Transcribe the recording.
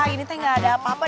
ini tak ada apa apa